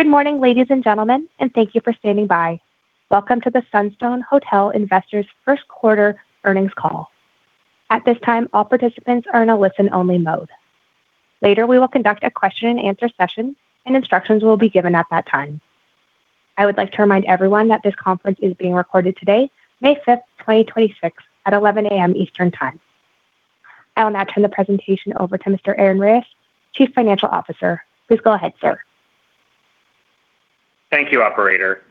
Good morning, ladies and gentlemen, and thank you for standing by. Welcome to the Sunstone Hotel Investors first quarter earnings call. At this time, all participants are in a listen-only mode. Later, we will conduct a question and answer session, and instructions will be given at that time. I would like to remind everyone that this conference is being recorded today, May 5th, 2026, at 11:00 A.M. Eastern Time. I will now turn the presentation over to Mr. Aaron Reyes, Chief Financial Officer. Please go ahead, sir. Thank you, operator.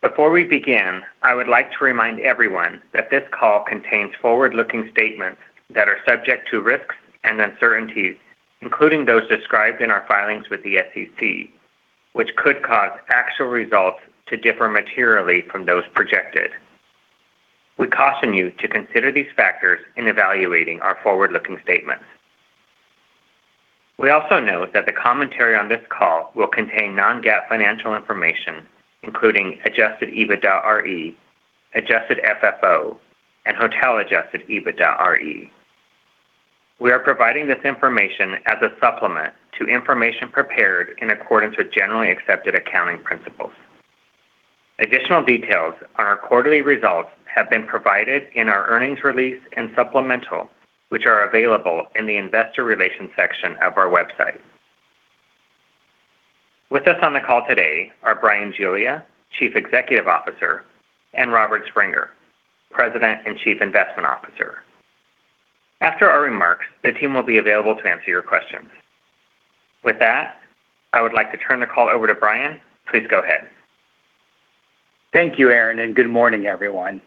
Before we begin, I would like to remind everyone that this call contains forward-looking statements that are subject to risks and uncertainties, including those described in our filings with the SEC, which could cause actual results to differ materially from those projected. We caution you to consider these factors in evaluating our forward-looking statements. We also note that the commentary on this call will contain non-GAAP financial information, including adjusted EBITDAre, adjusted FFO, and hotel-adjusted EBITDAre. We are providing this information as a supplement to information prepared in accordance with generally accepted accounting principles. Additional details on our quarterly results have been provided in our earnings release and supplemental, which are available in the investor relations section of our website. With us on the call today are Bryan Giglia, Chief Executive Officer, and Robert Springer, President and Chief Investment Officer. After our remarks, the team will be available to answer your questions. With that, I would like to turn the call over to Bryan. Please go ahead. Thank you, Aaron, and good morning, everyone.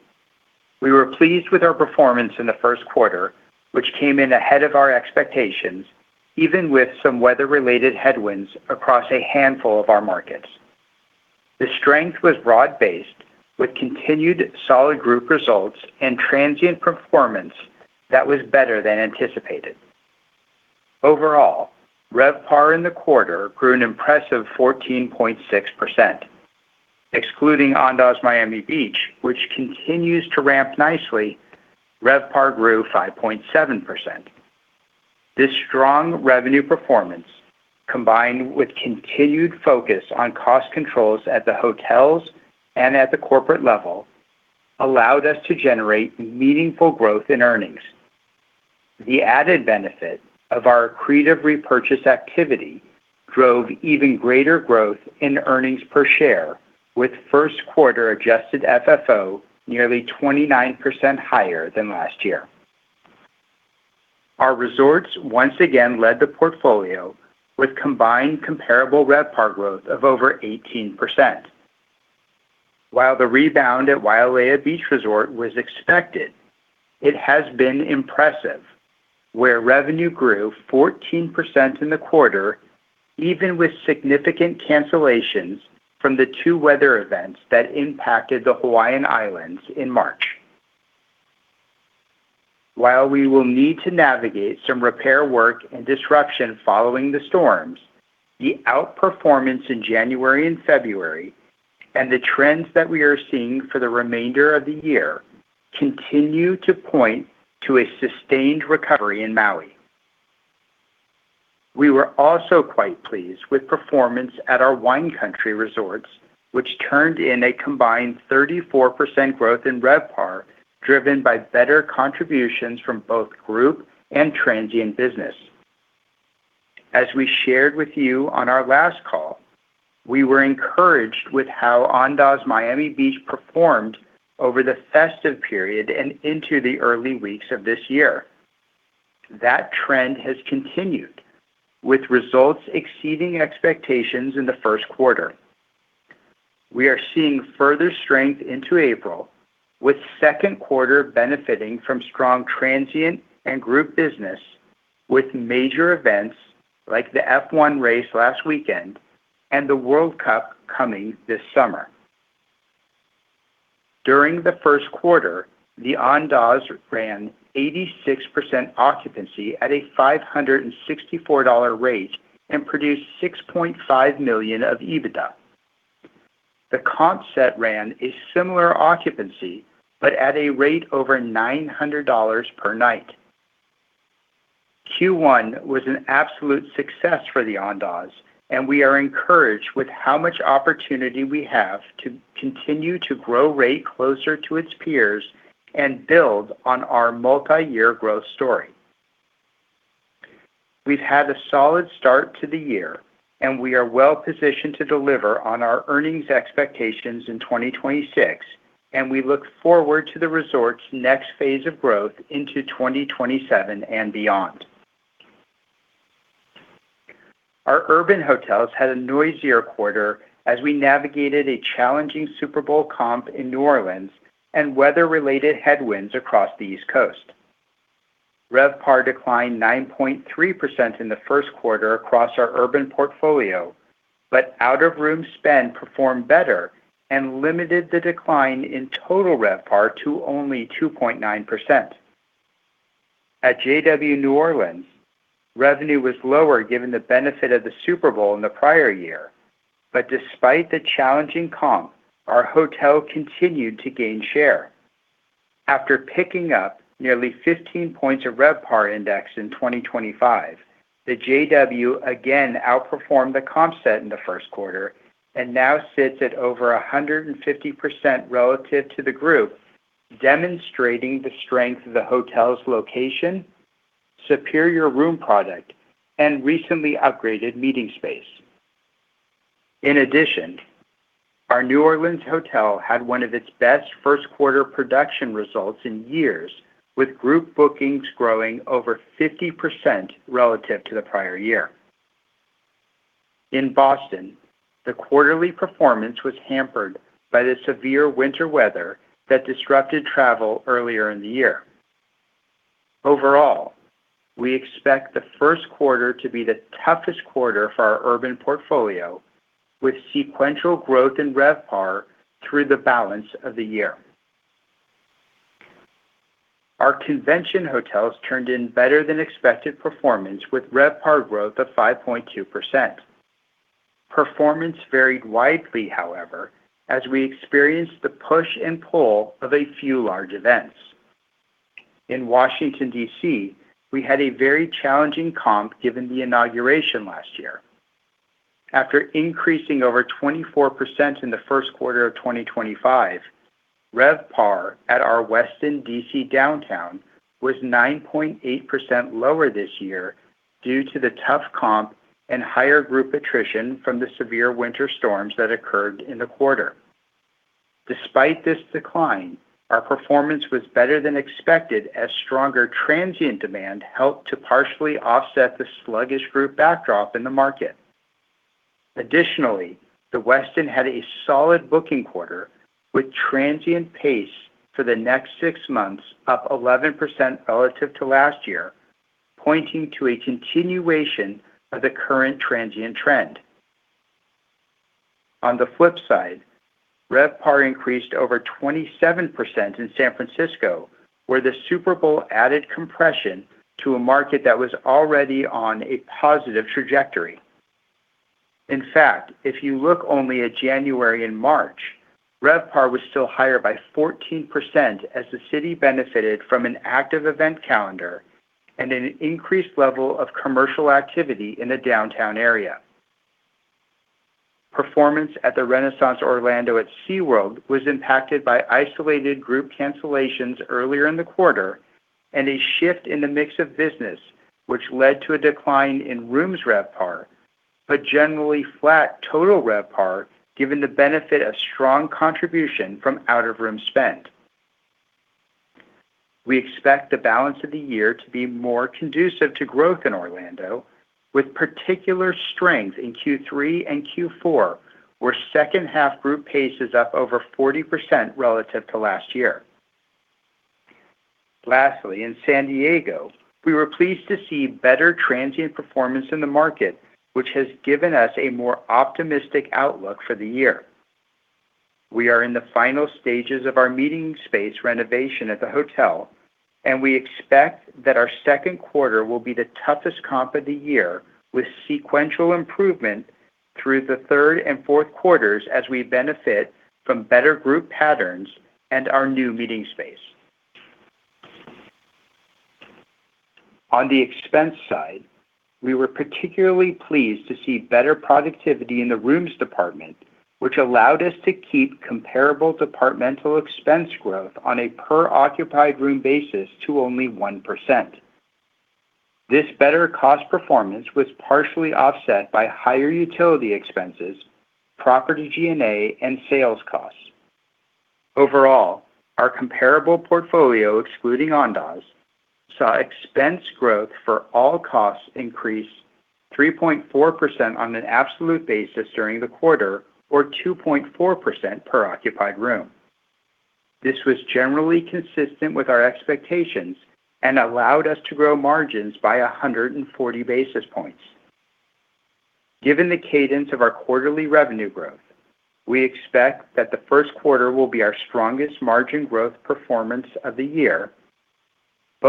We were pleased with our performance in the first quarter, which came in ahead of our expectations, even with some weather-related headwinds across a handful of our markets. The strength was broad-based, with continued solid group results and transient performance that was better than anticipated. Overall, RevPAR in the quarter grew an impressive 14.6%. Excluding Andaz Miami Beach, which continues to ramp nicely, RevPAR grew 5.7%. This strong revenue performance, combined with continued focus on cost controls at the hotels and at the corporate level, allowed us to generate meaningful growth in earnings. The added benefit of our accretive repurchase activity drove even greater growth in earnings per share, with first quarter adjusted FFO nearly 29% higher than last year. Our resorts once again led the portfolio with combined comparable RevPAR growth of over 18%. While the rebound at Wailea Beach Resort was expected, it has been impressive, where revenue grew 14% in the quarter, even with significant cancellations from the two weather events that impacted the Hawaiian Islands in March. While we will need to navigate some repair work and disruption following the storms, the outperformance in January and February and the trends that we are seeing for the remainder of the year continue to point to a sustained recovery in Maui. We were also quite pleased with performance at our Wine Country resorts, which turned in a combined 34% growth in RevPAR, driven by better contributions from both group and transient business. As we shared with you on our last call, we were encouraged with how Andaz Miami Beach performed over the festive period and into the early weeks of this year. That trend has continued, with results exceeding expectations in the first quarter. We are seeing further strength into April, with second quarter benefiting from strong transient and group business, with major events like the F1 race last weekend and the World Cup coming this summer. During the first quarter, the Andaz ran 86% occupancy at a $564 rate and produced $6.5 million of EBITDA. The concept ran a similar occupancy but at a rate over $900 per night. Q1 was an absolute success for the Andaz. We are encouraged with how much opportunity we have to continue to grow rate closer to its peers and build on our multiyear growth story. We've had a solid start to the year, and we are well positioned to deliver on our earnings expectations in 2026, and we look forward to the resort's next phase of growth into 2027 and beyond. Our urban hotels had a noisier quarter as we navigated a challenging Super Bowl comp in New Orleans and weather-related headwinds across the East Coast. RevPAR declined 9.3% in the first quarter across our urban portfolio, but out-of-room spend performed better and limited the decline in Total RevPAR to only 2.9%. At JW New Orleans, revenue was lower given the benefit of the Super Bowl in the prior year. Despite the challenging comp, our hotel continued to gain share. After picking up nearly 15 points of RevPAR index in 2025, the JW again outperformed the comp set in the first quarter and now sits at over 150% relative to the group, demonstrating the strength of the hotel's location, superior room product, and recently upgraded meeting space. In addition, our New Orleans hotel had one of its best first quarter production results in years, with group bookings growing over 50% relative to the prior year. In Boston, the quarterly performance was hampered by the severe winter weather that disrupted travel earlier in the year. Overall, we expect the first quarter to be the toughest quarter for our urban portfolio, with sequential growth in RevPAR through the balance of the year. Our convention hotels turned in better than expected performance with RevPAR growth of 5.2%. Performance varied widely, however, as we experienced the push and pull of a few large events. In Washington, D.C., we had a very challenging comp given the inauguration last year. After increasing over 24% in the first quarter of 2025, RevPAR at our Westin D.C. Downtown was 9.8% lower this year due to the tough comp and higher group attrition from the severe winter storms that occurred in the quarter. Despite this decline, our performance was better than expected as stronger transient demand helped to partially offset the sluggish group backdrop in the market. The Westin had a solid booking quarter with transient pace for the next six months up 11% relative to last year, pointing to a continuation of the current transient trend. On the flip side, RevPAR increased over 27% in San Francisco, where the Super Bowl added compression to a market that was already on a positive trajectory. In fact, if you look only at January and March, RevPAR was still higher by 14% as the city benefited from an active event calendar and an increased level of commercial activity in the downtown area. Performance at the Renaissance Orlando at SeaWorld was impacted by isolated group cancellations earlier in the quarter and a shift in the mix of business, which led to a decline in rooms RevPAR, but generally flat total RevPAR given the benefit of strong contribution from out-of-room spend. We expect the balance of the year to be more conducive to growth in Orlando, with particular strength in Q3 and Q4, where second half group pace is up over 40% relative to last year. Lastly, in San Diego, we were pleased to see better transient performance in the market, which has given us a more optimistic outlook for the year. We are in the final stages of our meeting space renovation at the hotel, and we expect that our second quarter will be the toughest comp of the year, with sequential improvement through the third and fourth quarters as we benefit from better group patterns and our new meeting space. On the expense side, we were particularly pleased to see better productivity in the rooms department, which allowed us to keep comparable departmental expense growth on a per occupied room basis to only 1%. This better cost performance was partially offset by higher utility expenses, property G&A, and sales costs. Overall, our comparable portfolio, excluding Andaz, saw expense growth for all costs increase 3.4% on an absolute basis during the quarter, or 2.4% per occupied room. This was generally consistent with our expectations and allowed us to grow margins by 140 basis points. Given the cadence of our quarterly revenue growth, we expect that the first quarter will be our strongest margin growth performance of the year.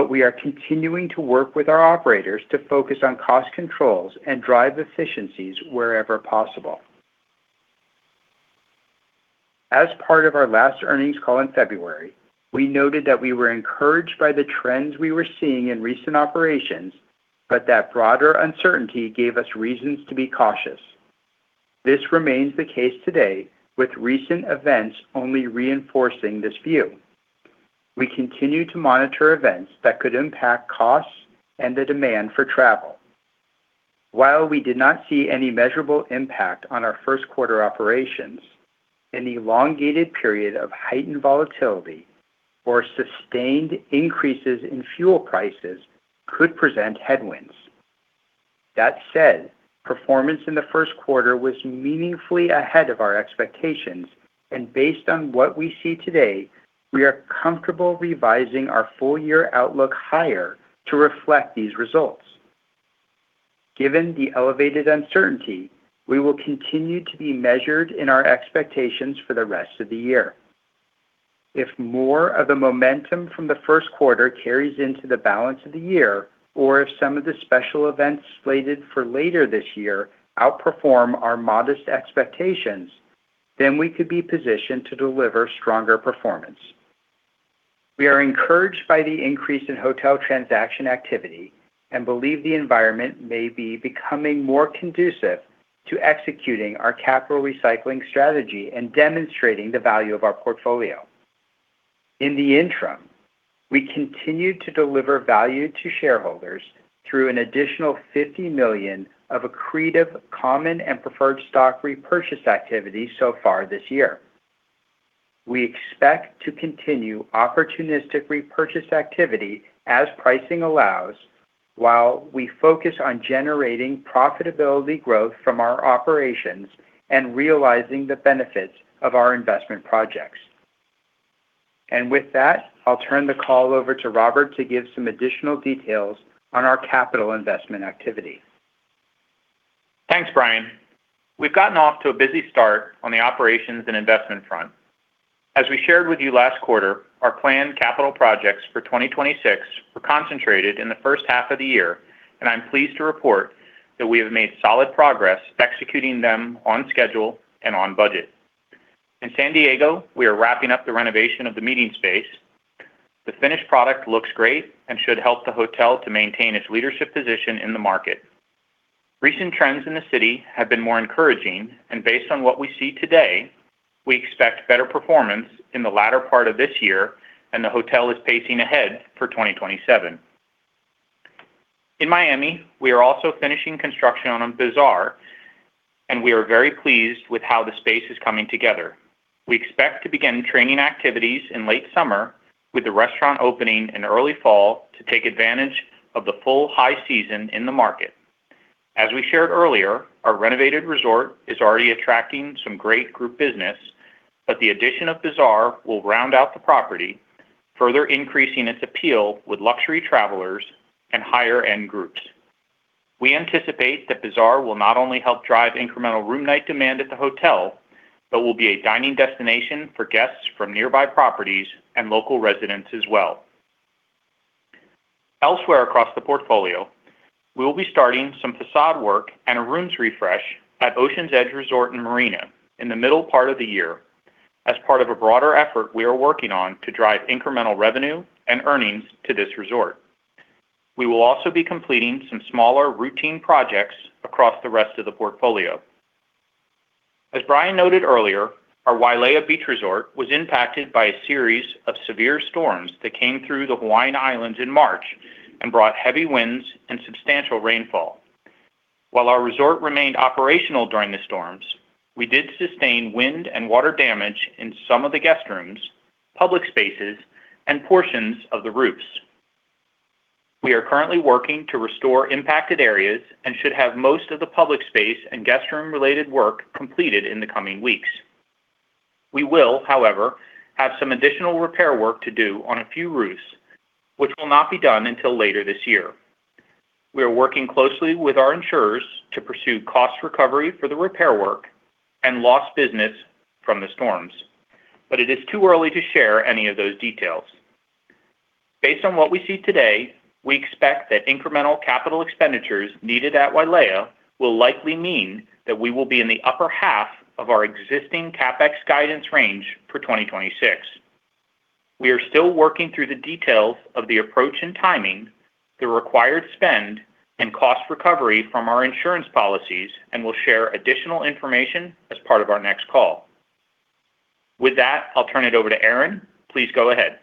We are continuing to work with our operators to focus on cost controls and drive efficiencies wherever possible. As part of our last earnings call in February, we noted that we were encouraged by the trends we were seeing in recent operations, but that broader uncertainty gave us reasons to be cautious. This remains the case today, with recent events only reinforcing this view. We continue to monitor events that could impact costs and the demand for travel. While we did not see any measurable impact on our first quarter operations, an elongated period of heightened volatility or sustained increases in fuel prices could present headwinds. That said, performance in the first quarter was meaningfully ahead of our expectations, and based on what we see today, we are comfortable revising our full-year outlook higher to reflect these results. Given the elevated uncertainty, we will continue to be measured in our expectations for the rest of the year. If more of the momentum from the first quarter carries into the balance of the year, or if some of the special events slated for later this year outperform our modest expectations, then we could be positioned to deliver stronger performance. We are encouraged by the increase in hotel transaction activity and believe the environment may be becoming more conducive to executing our capital recycling strategy and demonstrating the value of our portfolio. In the interim, we continue to deliver value to shareholders through an additional $50 million of accretive common and preferred stock repurchase activity so far this year. We expect to continue opportunistic repurchase activity as pricing allows, while we focus on generating profitability growth from our operations and realizing the benefits of our investment projects. With that, I'll turn the call over to Robert to give some additional details on our capital investment activity. Thanks, Bryan. We've gotten off to a busy start on the operations and investment front. As we shared with you last quarter, our planned capital projects for 2026 were concentrated in the first half of the year, and I'm pleased to report that we have made solid progress executing them on schedule and on budget. In San Diego, we are wrapping up the renovation of the meeting space. The finished product looks great and should help the hotel to maintain its leadership position in the market. Recent trends in the city have been more encouraging, and based on what we see today, we expect better performance in the latter part of this year, and the hotel is pacing ahead for 2027. In Miami, we are also finishing construction on Bazaar, and we are very pleased with how the space is coming together. We expect to begin training activities in late summer with the restaurant opening in early fall to take advantage of the full high season in the market. As we shared earlier, our renovated resort is already attracting some great group business, but the addition of Bazaar will round out the property, further increasing its appeal with luxury travelers and higher end groups. We anticipate that Bazaar will not only help drive incremental room night demand at the hotel, but will be a dining destination for guests from nearby properties and local residents as well. Elsewhere across the portfolio, we will be starting some facade work and a rooms refresh at Oceans Edge Resort & Marina in the middle part of the year as part of a broader effort we are working on to drive incremental revenue and earnings to this resort. We will also be completing some smaller routine projects across the rest of the portfolio. As Bryan noted earlier, our Wailea Beach Resort was impacted by a series of severe storms that came through the Hawaiian Islands in March and brought heavy winds and substantial rainfall. While our resort remained operational during the storms, we did sustain wind and water damage in some of the guest rooms, public spaces, and portions of the roofs. We are currently working to restore impacted areas and should have most of the public space and guest room related work completed in the coming weeks. We will, however, have some additional repair work to do on a few roofs, which will not be done until later this year. We are working closely with our insurers to pursue cost recovery for the repair work and lost business from the storms. It is too early to share any of those details. Based on what we see today, we expect that incremental capital expenditures needed at Wailea will likely mean that we will be in the upper half of our existing CapEx guidance range for 2026. We are still working through the details of the approach and timing, the required spend and cost recovery from our insurance policies, and we'll share additional information as part of our next call. With that, I'll turn it over to Aaron. Please go ahead.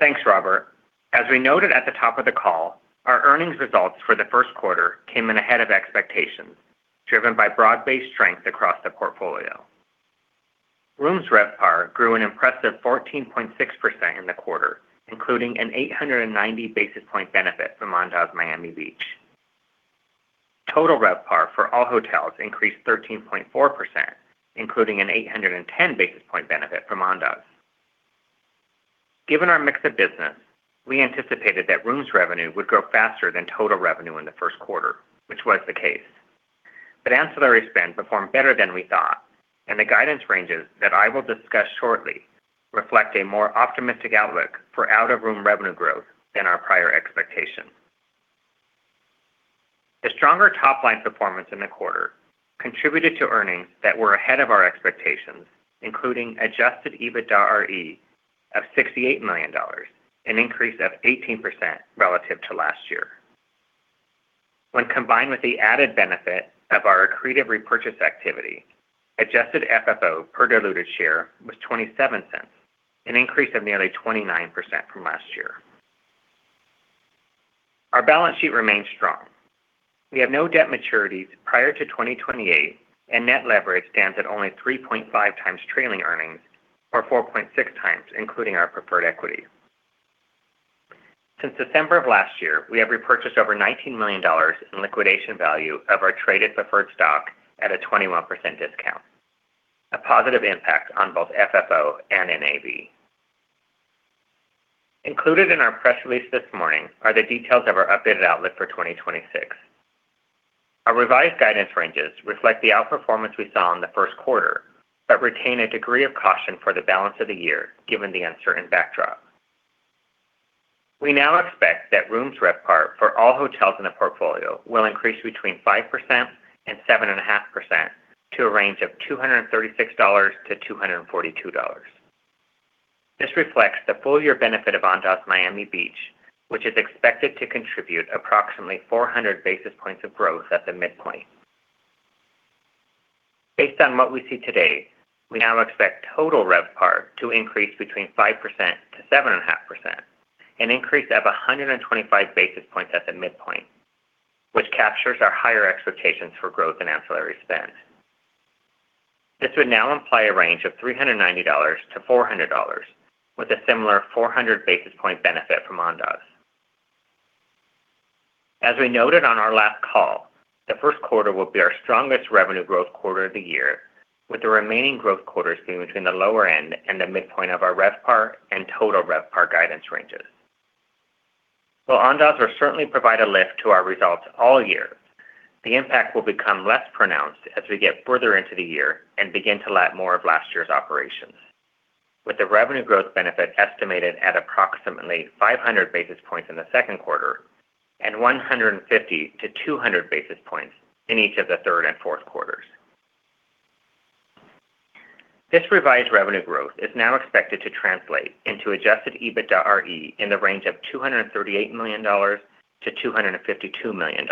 Thanks, Robert. As we noted at the top of the call, our earnings results for the first quarter came in ahead of expectations, driven by broad-based strength across the portfolio. Rooms RevPAR grew an impressive 14.6% in the quarter, including an 890 basis point benefit from Andaz Miami Beach. Total RevPAR for all hotels increased 13.4%, including an 810 basis point benefit from Andaz. Given our mix of business, we anticipated that rooms revenue would grow faster than total revenue in the first quarter, which was the case. Ancillary spend performed better than we thought, and the guidance ranges that I will discuss shortly reflect a more optimistic outlook for out-of-room revenue growth than our prior expectations. The stronger top-line performance in the quarter contributed to earnings that were ahead of our expectations, including adjusted EBITDAre of $68 million, an increase of 18% relative to last year. When combined with the added benefit of our accretive repurchase activity, adjusted FFO per diluted share was $0.27, an increase of nearly 29% from last year. Our balance sheet remains strong. We have no debt maturities prior to 2028, and net leverage stands at only 3.5 times trailing earnings or 4.6 times, including our preferred equity. Since December of last year, we have repurchased over $19 million in liquidation value of our traded preferred stock at a 21% discount, a positive impact on both FFO and NAV. Included in our press release this morning are the details of our updated outlook for 2026. Our revised guidance ranges reflect the outperformance we saw in the first quarter, but retain a degree of caution for the balance of the year given the uncertain backdrop. We now expect that rooms RevPAR for all hotels in the portfolio will increase between 5% and 7.5% to a range of $236 to $242. This reflects the full year benefit of Andaz Miami Beach, which is expected to contribute approximately 400 basis points of growth at the midpoint. Based on what we see today, we now expect Total RevPAR to increase between 5% to 7.5%, an increase of 125 basis points at the midpoint, which captures our higher expectations for growth in ancillary spend. This would now imply a range of $390-$400, with a similar 400 basis point benefit from Andaz. As we noted on our last call, the first quarter will be our strongest revenue growth quarter of the year, with the remaining growth quarters being between the lower end and the midpoint of our RevPAR and total RevPAR guidance ranges. While Andaz will certainly provide a lift to our results all year, the impact will become less pronounced as we get further into the year and begin to lap more of last year's operations, with the revenue growth benefit estimated at approximately 500 basis points in the second quarter and 150-200 basis points in each of the third and fourth quarters. This revised revenue growth is now expected to translate into adjusted EBITDAre in the range of $238 million-$252 million.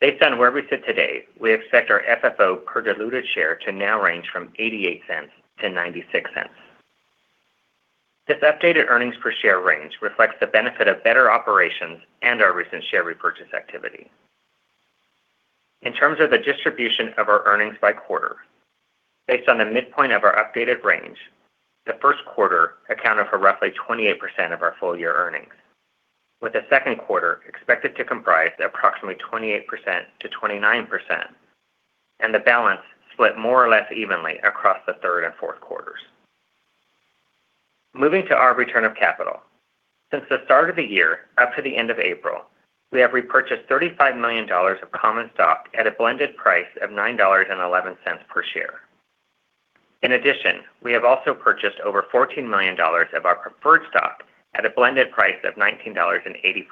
Based on where we sit today, we expect our FFO per diluted share to now range from $0.88-$0.96. This updated earnings per share range reflects the benefit of better operations and our recent share repurchase activity. In terms of the distribution of our earnings by quarter, based on the midpoint of our updated range, the 1st quarter accounted for roughly 28% of our full-year earnings, with the 2nd quarter expected to comprise approximately 28%-29%, and the balance split more or less evenly across the 3rd and 4th quarters. Moving to our return of capital. Since the start of the year up to the end of April, we have repurchased $35 million of common stock at a blended price of $9.11 per share. In addition, we have also purchased over $14 million of our preferred stock at a blended price of $19.84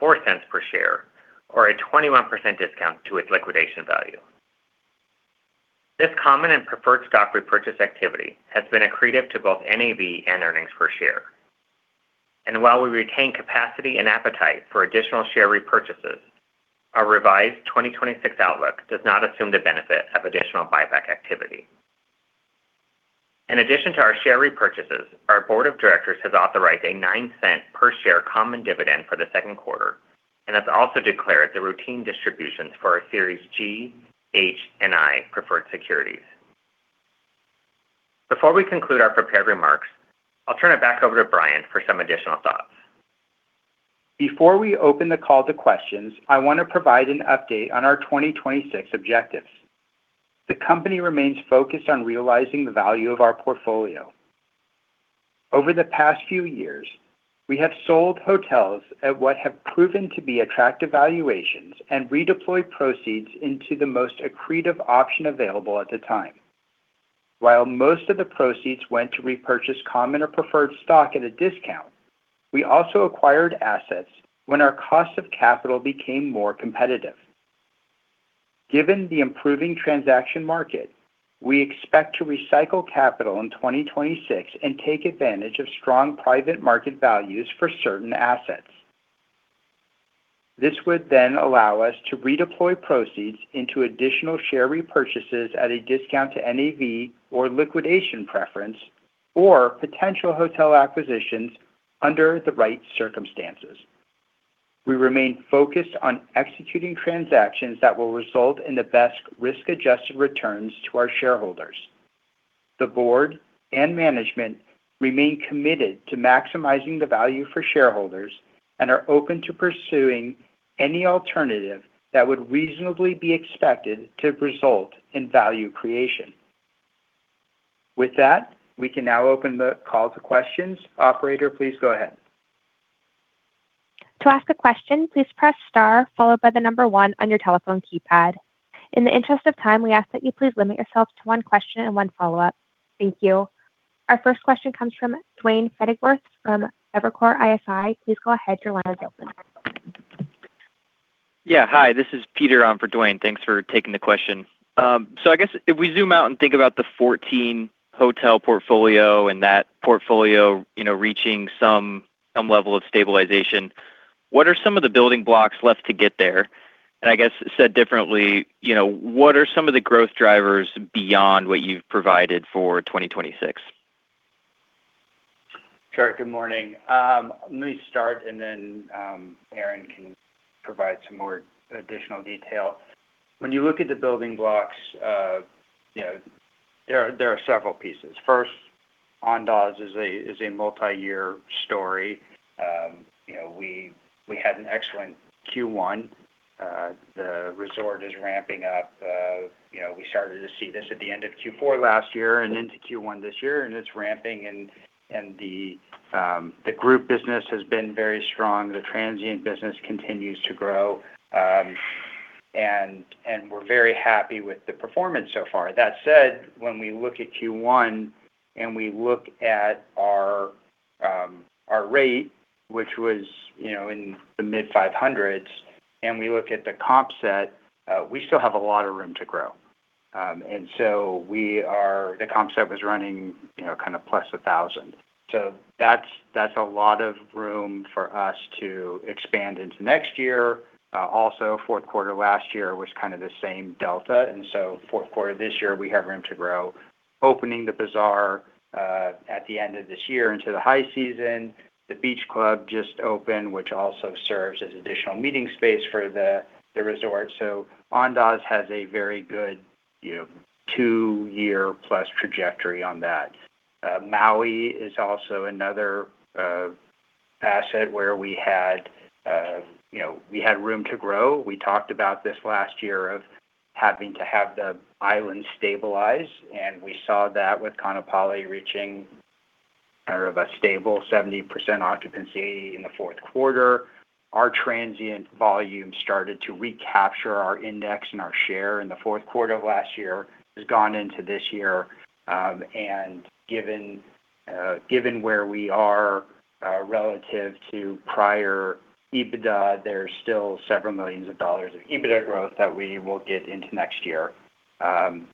per share, or a 21% discount to its liquidation value. This common and preferred stock repurchase activity has been accretive to both NAV and earnings per share. While we retain capacity and appetite for additional share repurchases, our revised 2026 outlook does not assume the benefit of additional buyback activity. In addition to our share repurchases, our board of directors has authorized a $0.09 per share common dividend for the second quarter and has also declared the routine distributions for our Series G, H, and I preferred securities. Before we conclude our prepared remarks, I'll turn it back over to Bryan for some additional thoughts. Before we open the call to questions, I want to provide an update on our 2026 objectives. The company remains focused on realizing the value of our portfolio. Over the past few years, we have sold hotels at what have proven to be attractive valuations and redeployed proceeds into the most accretive option available at the time. While most of the proceeds went to repurchase common or preferred stock at a discount, we also acquired assets when our cost of capital became more competitive. Given the improving transaction market, we expect to recycle capital in 2026 and take advantage of strong private market values for certain assets. This would allow us to redeploy proceeds into additional share repurchases at a discount to NAV or liquidation preference or potential hotel acquisitions under the right circumstances. We remain focused on executing transactions that will result in the best risk-adjusted returns to our shareholders. The board and management remain committed to maximizing the value for shareholders and are open to pursuing any alternative that would reasonably be expected to result in value creation. With that, we can now open the call to questions. Operator, please go ahead. To ask a question, please press star one on your telephone keypad. In the interest of time, we ask that you please limit yourself to one question and one follow-up. Thank you. Our first question comes from Duane Pfennigwerth from Evercore ISI. Please go ahead, your line is open. Yeah. Hi, this is Peter on for Duane. Thanks for taking the question. I guess if we zoom out and think about the 14 hotel portfolio and that portfolio, you know, reaching some level of stabilization, what are some of the building blocks left to get there? I guess said differently, you know, what are some of the growth drivers beyond what you've provided for 2026? Sure. Good morning. Let me start and then Aaron can provide some more additional detail. When you look at the building blocks, you know, there are several pieces. First, Andaz is a multi-year story. You know, we had an excellent Q1. The resort is ramping up. You know, we started to see this at the end of Q4 last year and into Q1 this year, and it's ramping and the group business has been very strong. The transient business continues to grow. And we're very happy with the performance so far. That said, when we look at Q1 and we look at our rate, which was, you know, in the mid $500s, and we look at the comp set, we still have a lot of room to grow. The comp set was running, you know, kind of plus 1,000. That's a lot of room for us to expand into next year. Also fourth quarter last year was kind of the same delta. Fourth quarter this year, we have room to grow. Opening the Bazaar, at the end of this year into the high season. The Beach Club just opened, which also serves as additional meeting space for the resort. Andaz has a very good, you know, two-year-plus trajectory on that. Maui is also another asset where we had, you know, we had room to grow. We talked about this last year of having to have the island stabilize, and we saw that with Kaanapali reaching kind of a stable 70% occupancy in the fourth quarter. Our transient volume started to recapture our index and our share in the 4th quarter of last year. It's gone into this year, and given where we are relative to prior EBITDA, there's still several millions of dollars of EBITDA growth that we will get into next year. San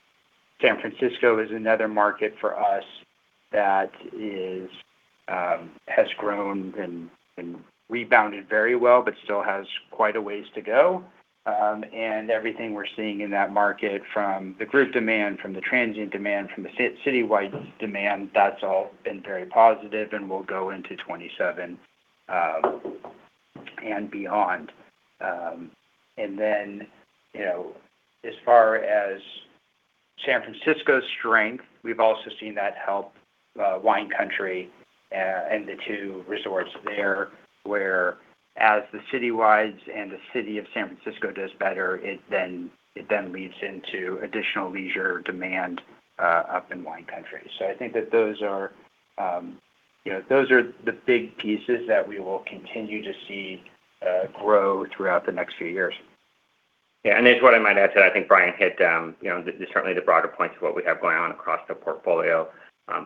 Francisco is another market for us that is has grown and rebounded very well, but still has quite a ways to go. And everything we're seeing in that market, from the group demand, from the transient demand, from the citywide demand, that's all been very positive and will go into 2027 and beyond. You know, as far as San Francisco's strength, we've also seen that help wine country and the two resorts there, where as the citywides and the city of San Francisco does better, it then leads into additional leisure demand up in wine country. I think that those are, you know, those are the big pieces that we will continue to see grow throughout the next few years. Yeah. What I might add to that, I think Bryan hit, you know, the certainly the broader points of what we have going on across the portfolio.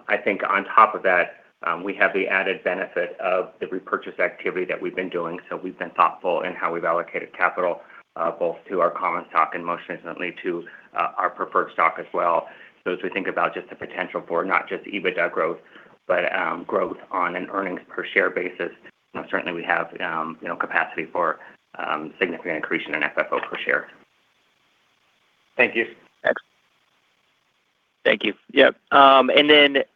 I think on top of that, we have the added benefit of the repurchase activity that we've been doing. We've been thoughtful in how we've allocated capital, both to our common stock and most recently to our preferred stock as well. As we think about just the potential for not just EBITDA growth, but growth on an earnings per share basis, you know, certainly we have, you know, capacity for significant increase in FFO per share. Thank you. Thanks. Thank you. Yep.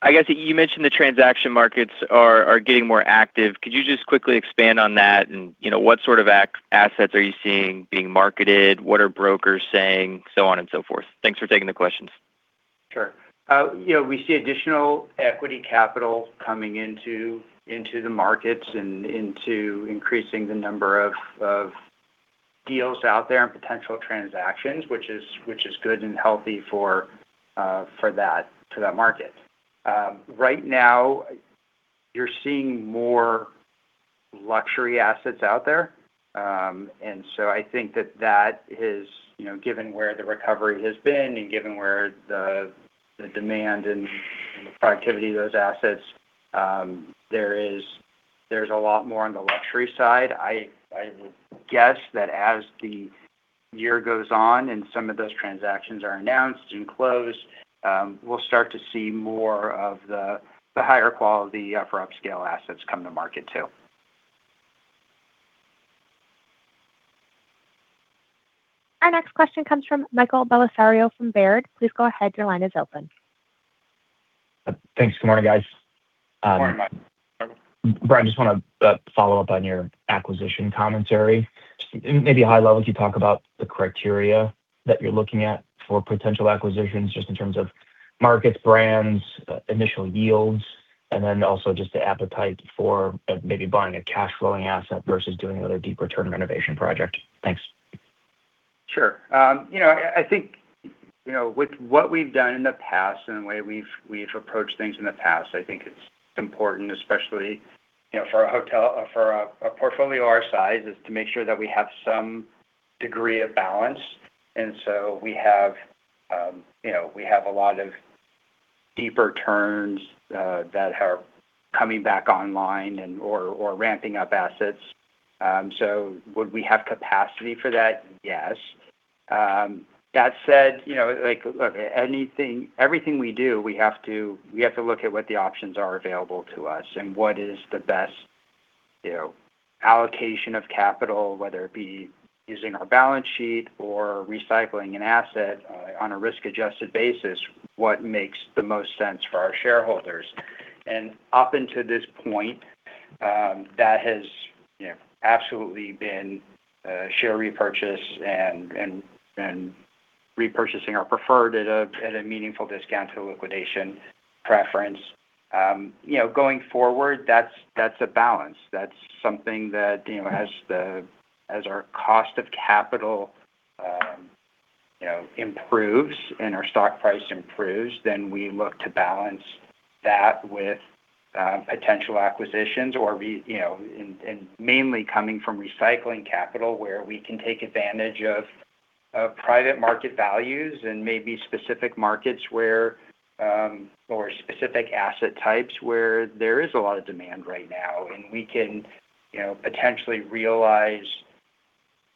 I guess you mentioned the transaction markets are getting more active. Could you just quickly expand on that and, you know, what sort of assets are you seeing being marketed? What are brokers saying? On and so forth. Thanks for taking the questions. Sure. you know, we see additional equity capital coming into the markets and into increasing the number of deals out there and potential transactions, which is good and healthy for that, to that market. Right now you're seeing more luxury assets out there. I think that that is, you know, given where the recovery has been and given where the demand and the productivity of those assets, there's a lot more on the luxury side. I would guess that as the year goes on and some of those transactions are announced and closed, we'll start to see more of the higher quality for upscale assets come to market too. Our next question comes from Michael Bellisario from Baird. Please go ahead. Your line is open. Thanks. Good morning, guys. Good morning, Mike. Bryan, I just wanna follow up on your acquisition commentary. Just maybe high level, could you talk about the criteria that you're looking at for potential acquisitions, just in terms of markets, brands, initial yields, and then also just the appetite for maybe buying a cash flowing asset versus doing another deep return renovation project? Thanks. Sure. You know, I think, you know, with what we've done in the past and the way we've approached things in the past, I think it's important, especially, you know, for a portfolio our size, is to make sure that we have some degree of balance. We have, you know, we have a lot of deeper turns that are coming back online and or ramping up assets. Would we have capacity for that? Yes. That said, you know, like, look, everything we do, we have to look at what the options are available to us and what is the best, you know, allocation of capital, whether it be using our balance sheet or recycling an asset on a risk-adjusted basis, what makes the most sense for our shareholders. Up until this point, that has, you know, absolutely been share repurchase and repurchasing our preferred at a meaningful discount to liquidation preference. You know, going forward, that's a balance. That's something that, you know, as our cost of capital, you know, improves and our stock price improves, then we look to balance that with potential acquisitions or we, you know, and mainly coming from recycling capital where we can take advantage of private market values and maybe specific markets where or specific asset types where there is a lot of demand right now. We can, you know, potentially realize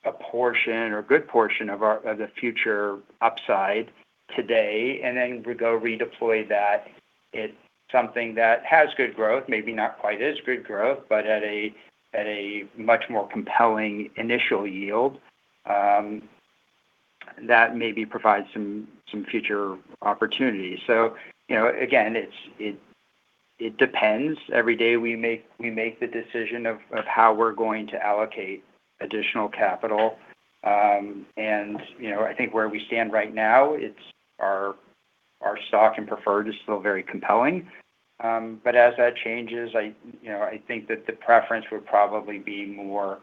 a portion or good portion of our future upside today, and then we go redeploy that in something that has good growth, maybe not quite as good growth, but at a much more compelling initial yield that maybe provides some future opportunities. You know, again, it depends. Every day we make the decision of how we're going to allocate additional capital. You know, I think where we stand right now, our stock and preferred is still very compelling. As that changes, you know, I think that the preference would probably be more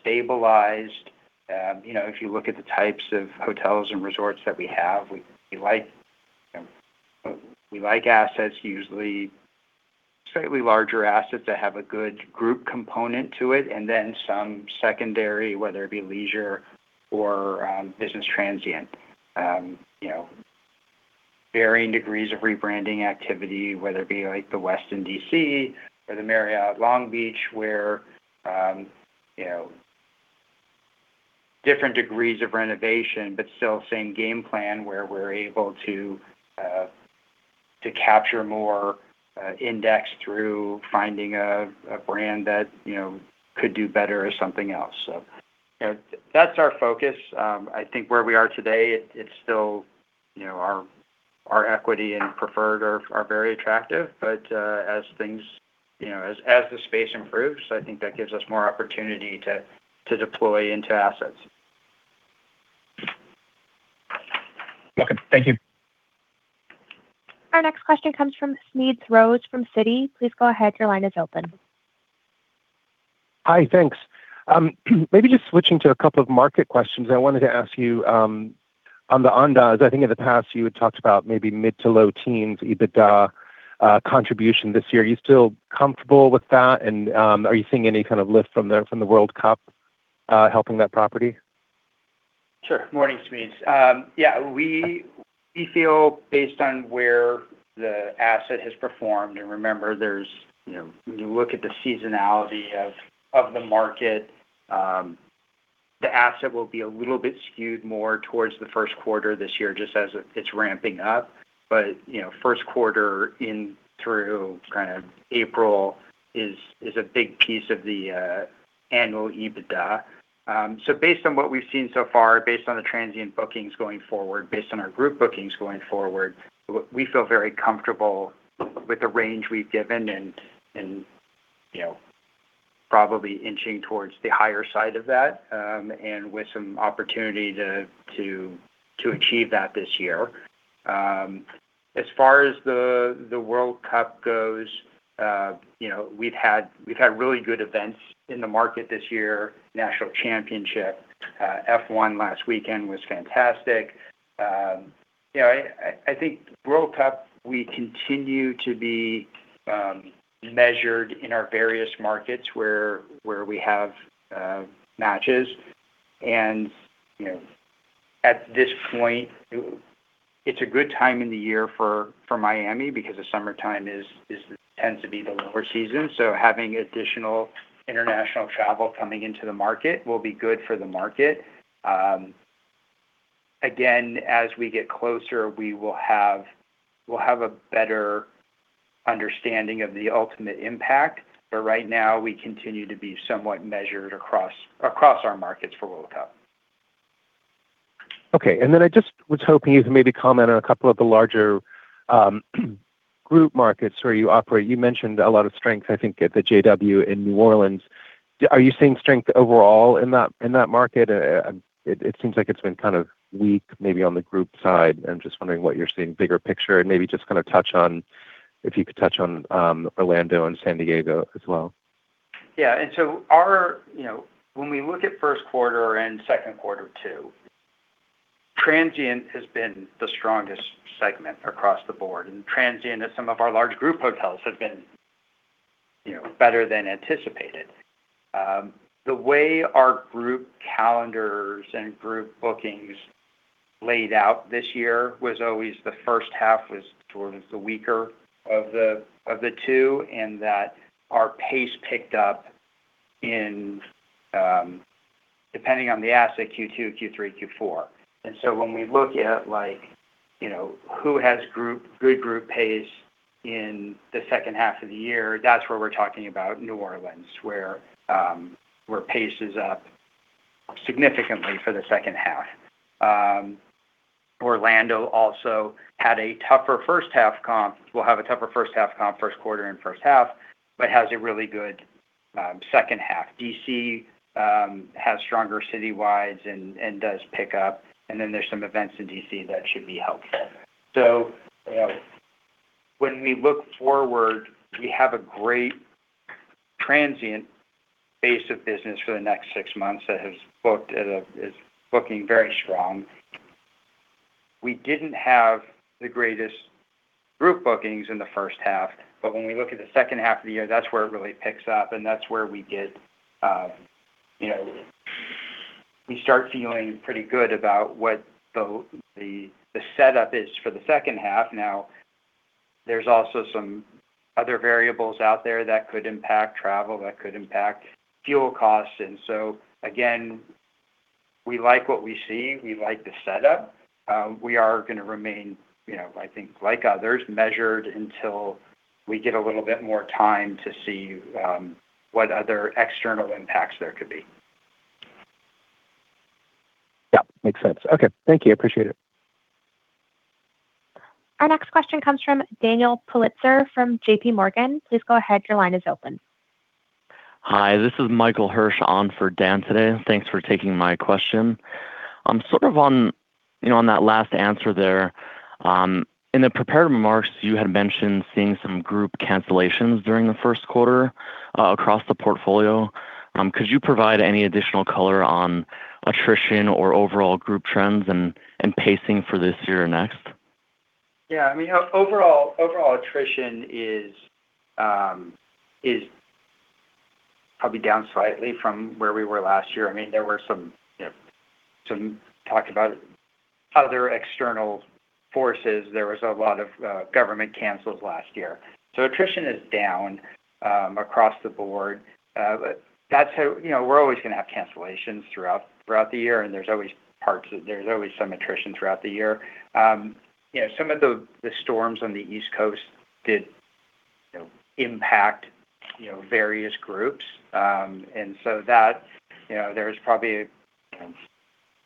stabilized. You know, if you look at the types of hotels and resorts that we have, we like assets, usually slightly larger assets that have a good group component to it, and then some secondary, whether it be leisure or business transient. You know, varying degrees of rebranding activity, whether it be like the Westin D.C. or the Marriott Long Beach, where, you know, different degrees of renovation, but still same game plan where we're able to capture more index through finding a brand that, you know, could do better as something else. You know, that's our focus. I think where we are today, it's still, you know, our equity and preferred are very attractive. As things, you know, as the space improves, I think that gives us more opportunity to deploy into assets. Okay. Thank you. Our next question comes from Smedes Rose from Citi. Please go ahead, your line is open. Hi, thanks. Maybe just switching to a couple of market questions. I wanted to ask you, on the Andaz, I think in the past you had talked about maybe mid to low teens EBITDA contribution this year. Are you still comfortable with that? Are you seeing any kind of lift from the World Cup helping that property? Sure. Morning, Smedes. Yeah, we feel based on where the asset has performed, and remember there's, you know, when you look at the seasonality of the market, the asset will be a little bit skewed more towards the first quarter this year, just as it's ramping up. You know, first quarter in through kind of April is a big piece of the annual EBITDA. Based on what we've seen so far, based on the transient bookings going forward, based on our group bookings going forward, we feel very comfortable with the range we've given and, you know, probably inching towards the higher side of that, and with some opportunity to achieve that this year. As far as the World Cup goes, you know, we've had really good events in the market this year, national championship, F1 last weekend was fantastic. You know, I think World Cup, we continue to be measured in our various markets where we have matches. You know, at this point, it's a good time in the year for Miami because the summertime tends to be the lower season. Having additional international travel coming into the market will be good for the market. Again, as we get closer, we'll have a better understanding of the ultimate impact. Right now, we continue to be somewhat measured across our markets for World Cup. Okay. Then I just was hoping you could maybe comment on a couple of the larger, group markets where you operate. You mentioned a lot of strength, I think, at the JW in New Orleans. Are you seeing strength overall in that, in that market? It seems like it's been kind of weak maybe on the group side. I'm just wondering what you're seeing bigger picture and maybe just kind of touch on if you could touch on, Orlando and San Diego as well. Yeah. Our, you know, when we look at first quarter and second quarter too, transient has been the strongest segment across the board, and transient at some of our large group hotels have been, you know, better than anticipated. The way our group calendars and group bookings laid out this year was always the first half was towards the weaker of the, of the two, and that our pace picked up in, depending on the asset Q2, Q3, Q4. When we look at like, you know, who has good group pace in the second half of the year, that's where we're talking about New Orleans, where pace is up significantly for the second half. Orlando also had a tougher first half comp. We'll have a tougher first half comp, first quarter and first half, has a really good second half. D.C. has stronger city-wides and does pick up. There's some events in D.C. that should be helpful. When we look forward, we have a great transient base of business for the next six months that is booking very strong. We didn't have the greatest group bookings in the first half, when we look at the second half of the year, that's where it really picks up, and that's where we get, you know, we start feeling pretty good about what the setup is for the second half. Now, there's also some other variables out there that could impact travel, that could impact fuel costs. Again, we like what we see. We like the setup. We are gonna remain, you know, I think like others, measured until we get a little bit more time to see what other external impacts there could be. Yeah, makes sense. Okay. Thank you. Appreciate it. Our next question comes from Daniel Politzer from J.P. Morgan. Please go ahead, your line is open. Hi, this is Michael Hirsch on for Dan today. Thanks for taking my question. Sort of on, you know, on that last answer there, in the prepared remarks, you had mentioned seeing some group cancellations during the first quarter across the portfolio. Could you provide any additional color on attrition or overall group trends and pacing for this year or next? Yeah. I mean, overall attrition is probably down slightly from where we were last year. I mean, there were some, you know, some talk about other external forces. There was a lot of government cancels last year. Attrition is down across the board. That's how, you know, we're always gonna have cancellations throughout the year. There's always some attrition throughout the year. You know, some of the storms on the East Coast did, you know, impact, you know, various groups. That, you know, there's probably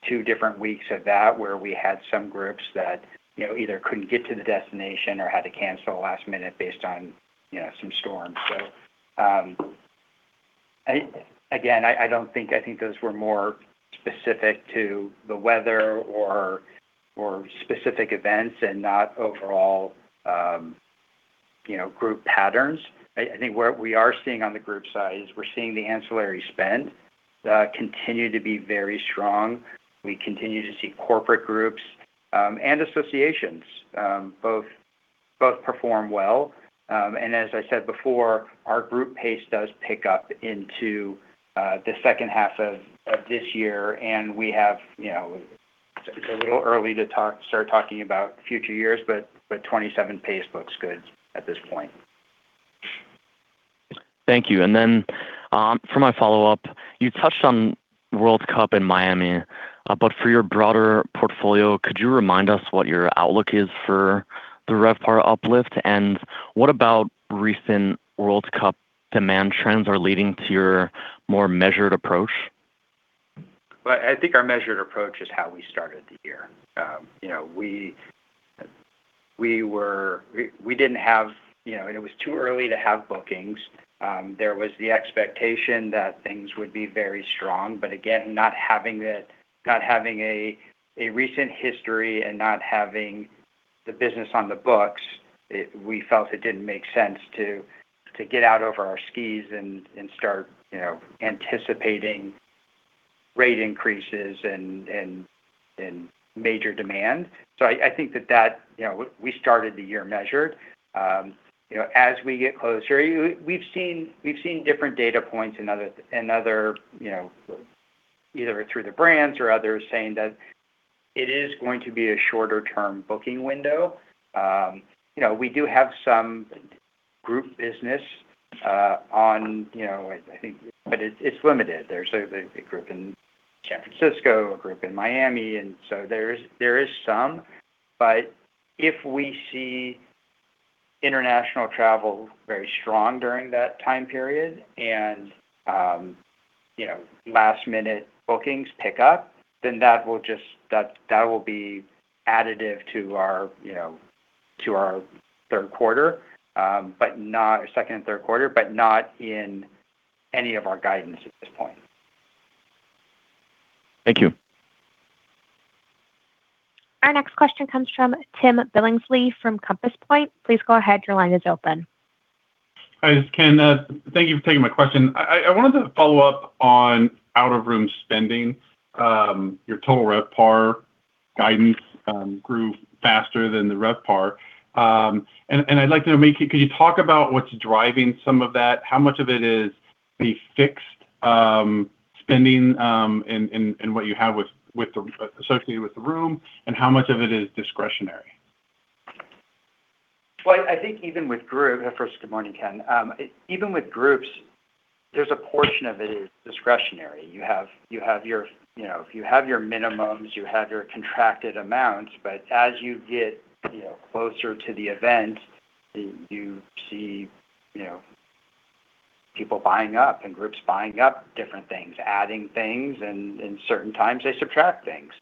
two different weeks of that where we had some groups that, you know, either couldn't get to the destination or had to cancel last minute based on, you know, some storms. Again, I don't think those were more specific to the weather or specific events and not overall, you know, group patterns. I think where we are seeing on the group side is we're seeing the ancillary spend continue to be very strong. We continue to see corporate groups and associations both perform well. As I said before, our group pace does pick up into the second half of this year, and we have, you know It's a little early to start talking about future years, but 2027 pace looks good at this point. Thank you. For my follow-up, you touched on World Cup and Miami, for your broader portfolio, could you remind us what your outlook is for the RevPAR uplift? What about recent World Cup demand trends are leading to your more measured approach? Well, I think our measured approach is how we started the year. you know, We didn't have, you know, it was too early to have bookings. There was the expectation that things would be very strong, but again, not having a recent history and not having the business on the books, we felt it didn't make sense to get out over our skis and start, you know, anticipating rate increases and major demand. I think that, you know, we started the year measured. you know, as we get closer, we've seen different data points and other, you know, either through the brands or others saying that it is going to be a shorter-term booking window. You know, we do have some group business on, you know, I think it's limited. There's a group in San Francisco, a group in Miami, there is some. If we see international travel very strong during that time period and, you know, last-minute bookings pick up, then that will just be additive to our, you know, to our third quarter, but not second and third quarter, but not in any of our guidance at this point. Thank you. Our next question comes from Ken Billingsley from Compass Point. Please go ahead, your line is open. Hi, this is Ken. Thank you for taking my question. I wanted to follow up on out-of-room spending. Your Total RevPAR guidance grew faster than the RevPAR. Could you talk about what's driving some of that? How much of it is the fixed spending and what you have with the associated with the room and how much of it is discretionary? Well, I think even with group First, good morning, Ken. Even with groups, there's a portion of it is discretionary. You have your, you know, you have your minimums, you have your contracted amounts, but as you get, you know, closer to the event, you see, you know, people buying up and groups buying up different things, adding things, and in certain times they subtract things.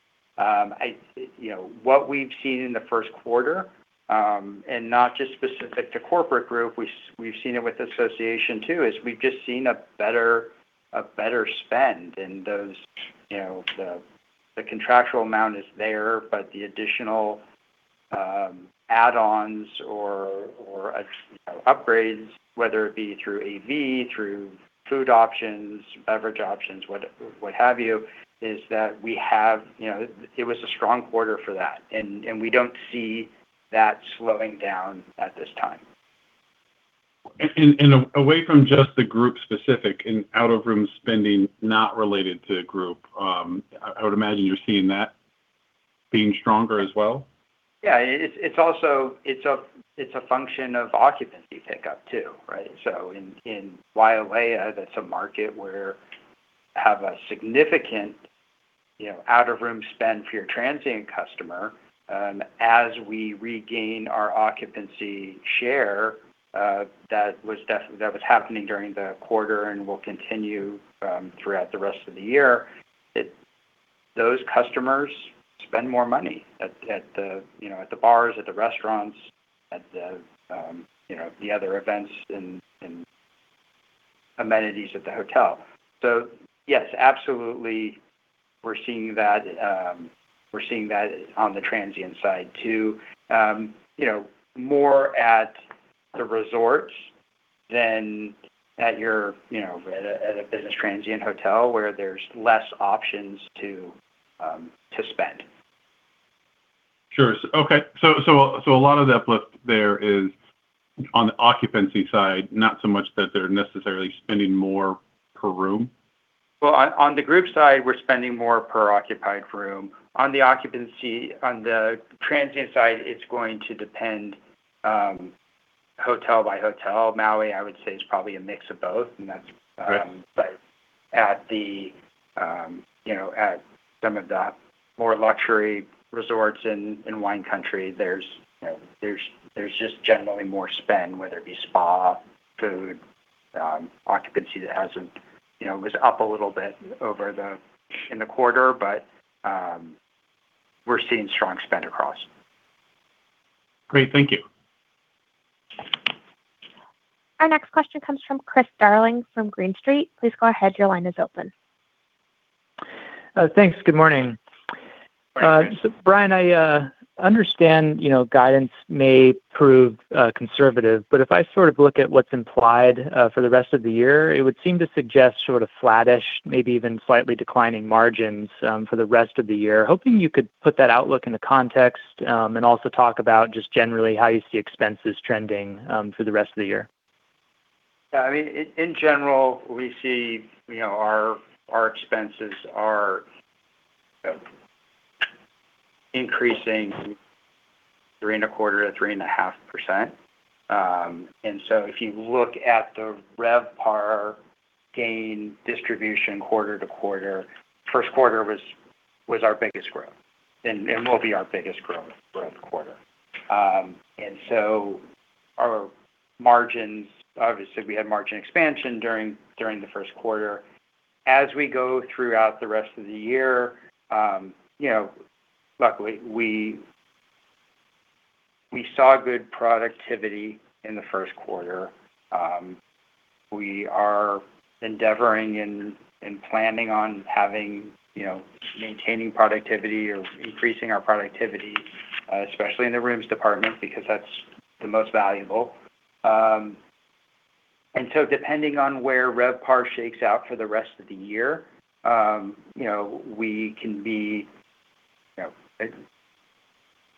You know, what we've seen in the first quarter, and not just specific to corporate group, we've seen it with association too, is we've just seen a better spend. Those, you know, the contractual amount is there, but the additional add-ons or, you know, upgrades, whether it be through AV, through food options, beverage options, what have you, it was a strong quarter for that. We don't see that slowing down at this time. Away from just the group specific and out-of-room spending not related to group, I would imagine you're seeing that being stronger as well? Yeah. It's also a function of occupancy pickup too, right? In Wailea, that's a market where have a significant, you know, out-of-room spend for your transient customer, as we regain our occupancy share, that was happening during the quarter and will continue throughout the rest of the year. Those customers spend more money at the, you know, at the bars, at the restaurants, at the, you know, the other events and amenities at the hotel. Yes, absolutely, we're seeing that. We're seeing that on the transient side too. You know, more at the resorts than at your, you know, at a business transient hotel where there's less options to spend. Sure. Okay. A lot of the uplift there is on the occupancy side, not so much that they're necessarily spending more per room? Well, on the group side, we're spending more per occupied room. On the transient side, it's going to depend, hotel by hotel. Maui, I would say, is probably a mix of both. Right At the, you know, at some of the more luxury resorts in Wine Country, there's, you know, just generally more spend, whether it be spa, food, occupancy that hasn't, you know, was up a little bit in the quarter, but, we're seeing strong spend across. Great. Thank you. Our next question comes from Chris Darling from Green Street. Please go ahead, your line is open. Thanks. Good morning. Morning, Chris. Bryan, I understand, you know, guidance may prove conservative, but if I sort of look at what's implied for the rest of the year, it would seem to suggest sort of flattish, maybe even slightly declining margins for the rest of the year. Hoping you could put that outlook into context, and also talk about just generally how you see expenses trending for the rest of the year. Yeah. I mean, in general, we see, you know, our expenses are increasing three and a quarter to three and a half%. If you look at the RevPAR gain distribution quarter-over-quarter, first quarter was our biggest growth and will be our biggest growth for the quarter. Our margins, obviously, we had margin expansion during the first quarter. As we go throughout the rest of the year, you know, luckily, we saw good productivity in the first quarter. We are endeavoring and planning on having, you know, maintaining productivity or increasing our productivity, especially in the rooms department, because that's the most valuable. Depending on where RevPAR shakes out for the rest of the year, you know, we can be, you know,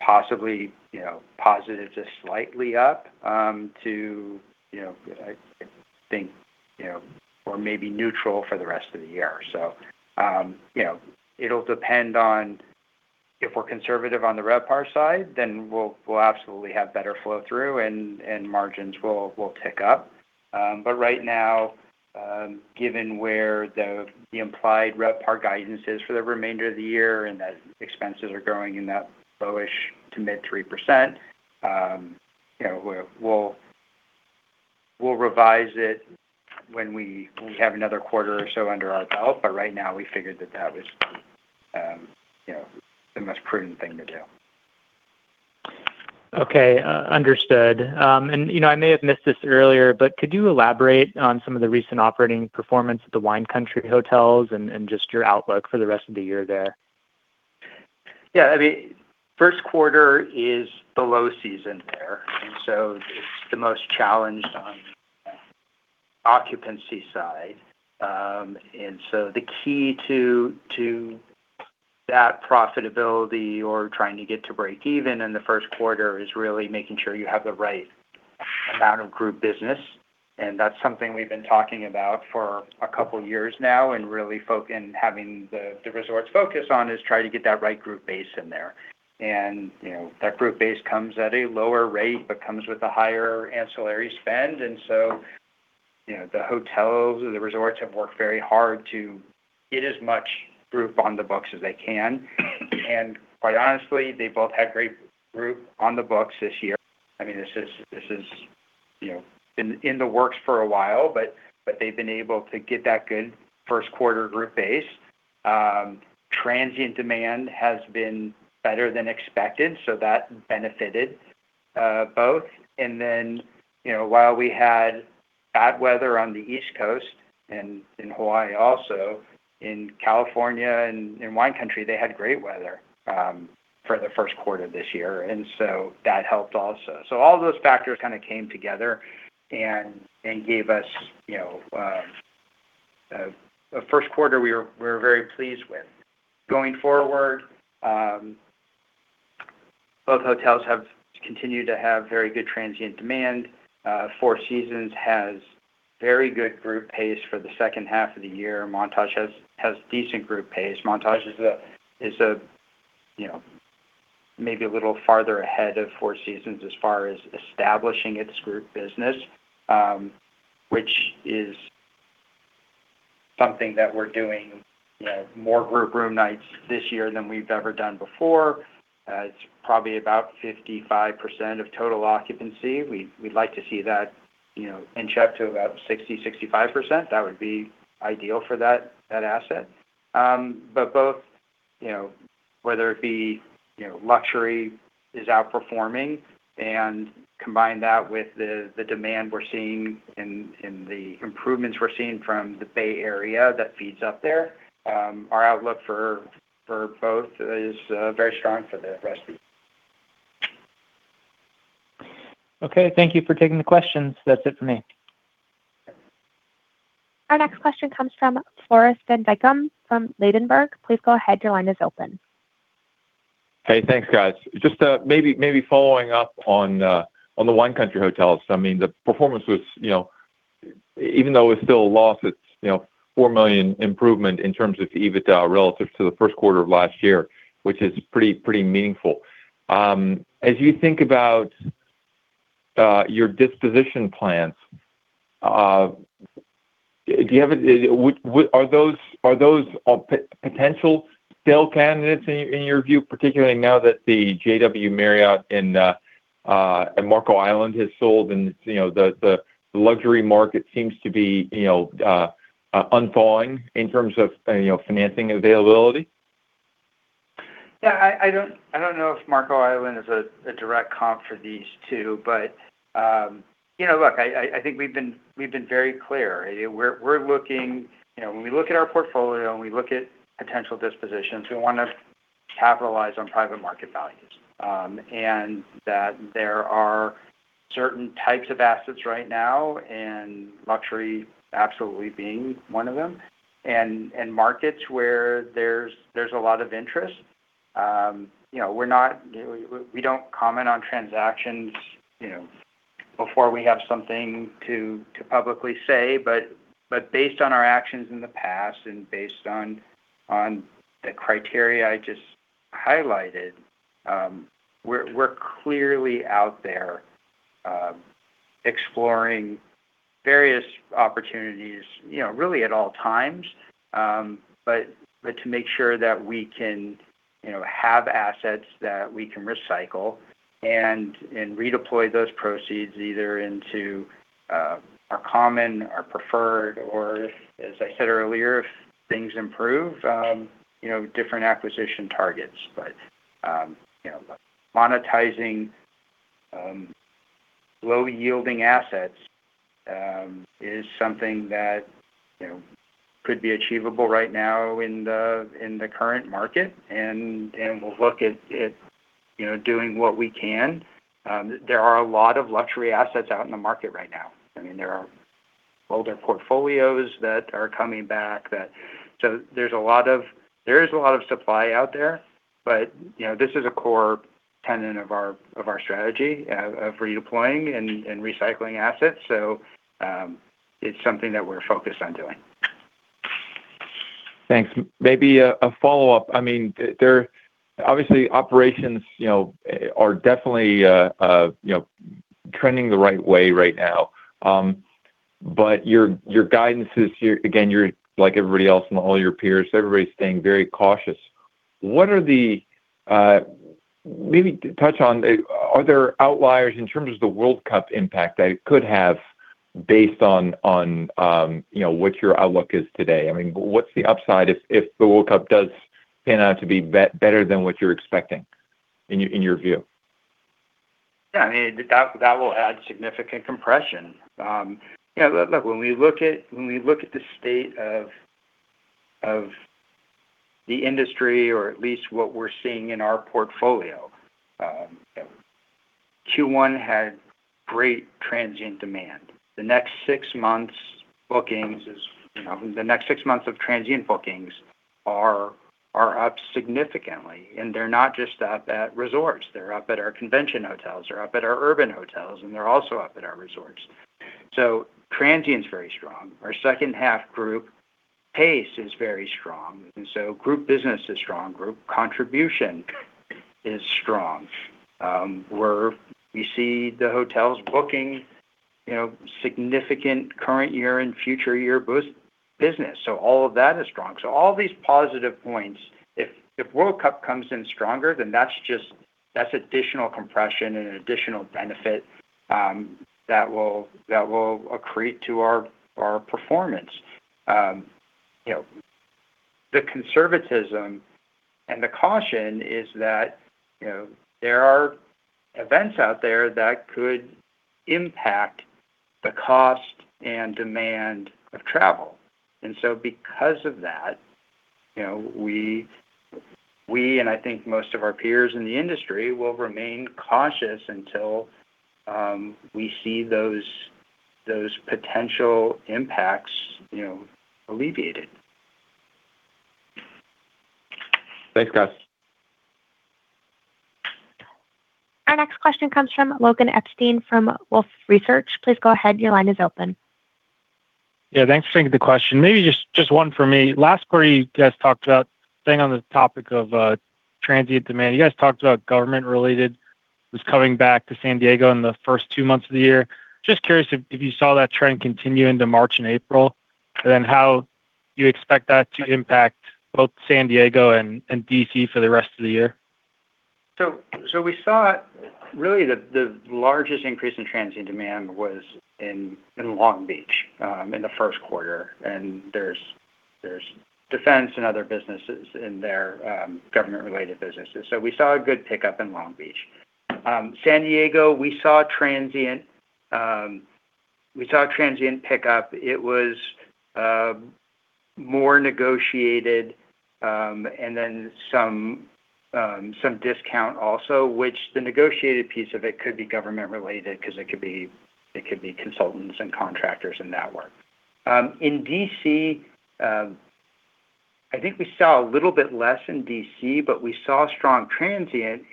possibly, you know, positive to slightly up, to, you know, I think, you know, or maybe neutral for the rest of the year. You know, it'll depend on if we're conservative on the RevPAR side, then we'll absolutely have better flow through and margins will tick up. Right now, given where the implied RevPAR guidance is for the remainder of the year and that expenses are growing in that lowish to mid 3%, you know, we'll revise it when we have another quarter or so under our belt. Right now, we figured that that was, you know, the most prudent thing to do. Okay. Understood. You know, I may have missed this earlier, but could you elaborate on some of the recent operating performance at the Wine Country hotels and just your outlook for the rest of the year there? Yeah. I mean, first quarter is the low season there. It's the most challenged on occupancy side. So the key to that profitability or trying to get to break even in the first quarter is really making sure you have the right amount of group business, and that's something we've been talking about for a couple of years now and really having the resorts focus on is try to get that right group base in there. You know, that group base comes at a lower rate, comes with a higher ancillary spend. So, you know, the hotels or the resorts have worked very hard to get as much group on the books as they can. Quite honestly, they both had great group on the books this year. I mean, this is, you know, been in the works for a while, but they've been able to get that good first quarter group base. Transient demand has been better than expected, that benefited both. You know, while we had bad weather on the East Coast and in Hawaii also. In California and in Wine Country, they had great weather for the first quarter this year. That helped also. All those factors kind of came together and gave us, you know, a first quarter we're very pleased with. Going forward, both hotels have continued to have very good transient demand. Four Seasons has very good group pace for the second half of the year. Montage has decent group pace. Montage is a, you know, maybe a little farther ahead of Four Seasons as far as establishing its group business, which is something that we're doing, you know, more group room nights this year than we've ever done before. It's probably about 55% of total occupancy. We'd like to see that, you know, inch up to about 60%-65%. That would be ideal for that asset. Both, you know, whether it be, you know, luxury is outperforming and combine that with the demand we're seeing in the improvements we're seeing from the Bay Area that feeds up there, our outlook for both is very strong for the rest of the year. Okay, thank you for taking the questions. That's it for me. Our next question comes from Floris van Dijkum from Ladenburg. Please go ahead, your line is open. Hey, thanks guys. Just maybe following up on the Wine Country hotels. I mean, the performance was, you know, even though it's still a loss, it's, you know, $4 million improvement in terms of EBITDA relative to the first quarter of last year, which is pretty meaningful. As you think about your disposition plans, are those potential sale candidates in your view, particularly now that the JW Marriott in Marco Island has sold and, you know, the luxury market seems to be, you know, unthawing in terms of, you know, financing availability? Yeah, I don't know if Marco Island is a direct comp for these two. You know, look, I think we've been very clear. We're looking You know, when we look at our portfolio and we look at potential dispositions, we wanna capitalize on private market values. That there are certain types of assets right now, and luxury absolutely being one of them, and markets where there's a lot of interest. You know, we don't comment on transactions, you know, before we have something to publicly say, but based on our actions in the past and based on the criteria I just highlighted, we're clearly out there exploring various opportunities, you know, really at all times. To make sure that we can, you know, have assets that we can recycle and redeploy those proceeds either into our common, our preferred, or as I said earlier, if things improve, you know, different acquisition targets. Monetizing, you know, low yielding assets is something that, you know, could be achievable right now in the current market, and we'll look at, you know, doing what we can. There are a lot of luxury assets out in the market right now. I mean, there are older portfolios that are coming back that there's a lot of supply out there. This is a core tenet of our strategy of redeploying and recycling assets. It's something that we're focused on doing. Thanks. Maybe a follow-up. I mean, obviously, operations, you know, are definitely trending the right way right now. Your guidance is, again, you're like everybody else and all your peers, everybody's staying very cautious. What are the Maybe touch on, are there outliers in terms of the World Cup impact that it could have based on, you know, what your outlook is today? I mean, what's the upside if the World Cup does pan out to be better than what you're expecting in your view? Yeah, I mean, that will add significant compression. Yeah, look, when we look at the state of the industry or at least what we're seeing in our portfolio, Q1 had great transient demand. The next six months bookings is, you know, the next six months of transient bookings are up significantly, and they're not just up at resorts. They're up at our convention hotels, they're up at our urban hotels, and they're also up at our resorts. Transient's very strong. Our 2nd half group pace is very strong, and so group business is strong. Group contribution is strong, where we see the hotels booking, you know, significant current year and future year business. All of that is strong. All these positive points, if World Cup comes in stronger, then that's just additional compression and an additional benefit that will accrete to our performance. You know. The conservatism and the caution is that, you know, there are events out there that could impact the cost and demand of travel. Because of that, you know, we, and I think most of our peers in the industry, will remain cautious until we see those potential impacts, you know, alleviated. Thanks, guys. Our next question comes from Logan Epstein from Wolfe Research. Please go ahead. Your line is open. Yeah, thanks for taking the question. Maybe just one for me. Last quarter, you guys talked about, staying on the topic of transient demand, you guys talked about government-related was coming back to San Diego in the first two months of the year. Just curious if you saw that trend continue into March and April, and then how you expect that to impact both San Diego and D.C. for the rest of the year? We saw really the largest increase in transient demand was in Long Beach in the first quarter. There's defense and other businesses in there, government-related businesses. We saw a good pickup in Long Beach. San Diego, we saw transient, we saw transient pickup. It was more negotiated, and then some discount also, which the negotiated piece of it could be government-related because it could be consultants and contractors and that work. In D.C., I think we saw a little bit less in D.C., but we saw strong transient.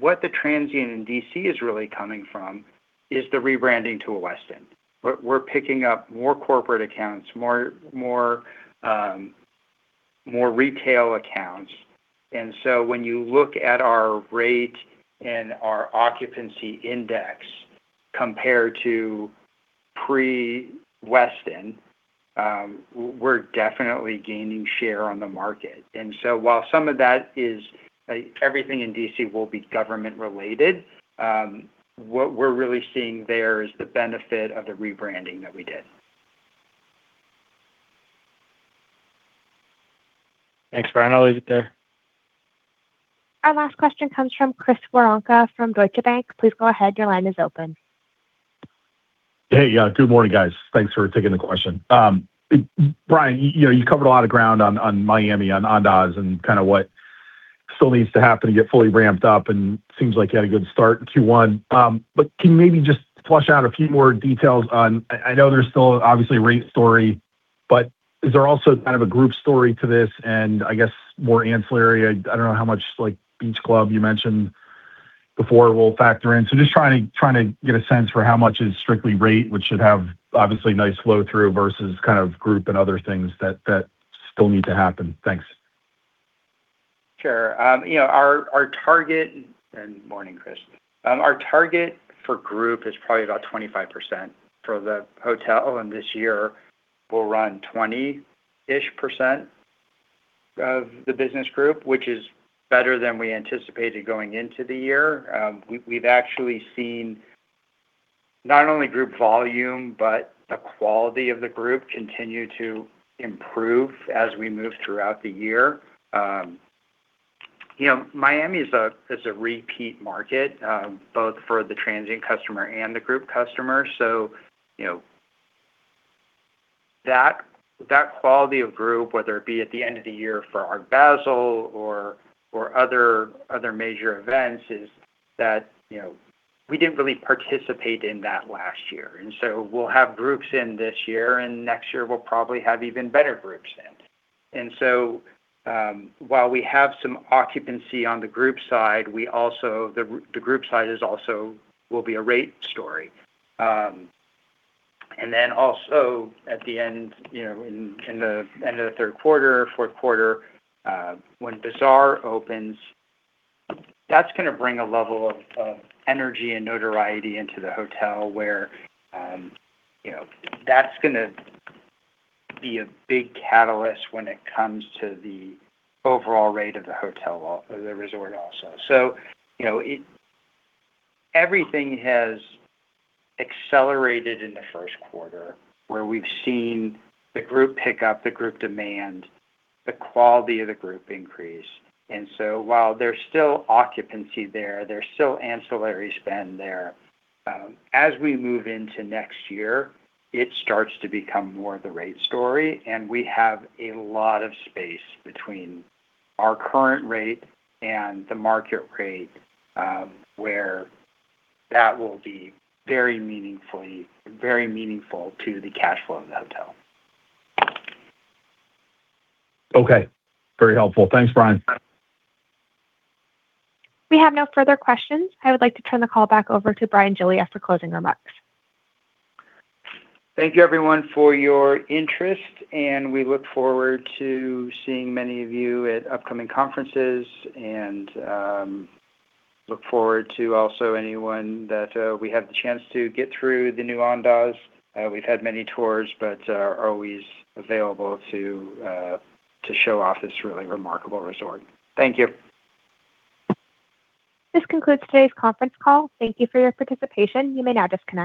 What the transient in D.C. is really coming from is the rebranding to a Westin. We're picking up more corporate accounts, more retail accounts. When you look at our rate and our occupancy index compared to pre-Westin, we're definitely gaining share on the market. While some of that is everything in D.C. will be government-related, what we're really seeing there is the benefit of the rebranding that we did. Thanks, Bryan. I'll leave it there. Our last question comes from Chris Woronka from Deutsche Bank. Please go ahead. Your line is open. Hey. Yeah, good morning, guys. Thanks for taking the question. Bryan, you know, you covered a lot of ground on Miami, on Andaz, and kind of what still needs to happen to get fully ramped up, and seems like you had a good start in Q1. Can you maybe just flush out a few more details on I know there's still obviously a rate story, but is there also kind of a group story to this? I guess more ancillary, I don't know how much, like, Beach Club you mentioned before will factor in. Just trying to get a sense for how much is strictly rate, which should have obviously nice flow through, versus kind of group and other things that still need to happen. Thanks. Sure. You know, our target, Morning, Chris. Our target for group is probably about 25% for the hotel, and this year we'll run 20-ish% of the business group, which is better than we anticipated going into the year. We've actually seen not only group volume, but the quality of the group continue to improve as we move throughout the year. You know, Miami is a repeat market, both for the transient customer and the group customer. You know, that quality of group, whether it be at the end of the year for Art Basel or other major events, is that we didn't really participate in that last year. We'll have groups in this year, and next year we'll probably have even better groups in. While we have some occupancy on the group side, the group side is also will be a rate story. At the end, you know, in the end of the third quarter, fourth quarter, when Bazaar opens, that's gonna bring a level of energy and notoriety into the hotel where, you know, that's gonna be a big catalyst when it comes to the overall rate of the hotel or the resort also. You know, Everything has accelerated in the first quarter, where we've seen the group pick up, the group demand, the quality of the group increase. While there's still occupancy there's still ancillary spend there, as we move into next year, it starts to become more of the rate story. We have a lot of space between our current rate and the market rate, where that will be very meaningfully, very meaningful to the cash flow of the hotel. Okay. Very helpful. Thanks, Bryan. We have no further questions. I would like to turn the call back over to Bryan Giglia for closing remarks. Thank you, everyone, for your interest, and we look forward to seeing many of you at upcoming conferences and look forward to also anyone that we have the chance to get through the new Andaz. We've had many tours, but are always available to show off this really remarkable resort. Thank you. This concludes today's conference call. Thank you for your participation. You may now disconnect.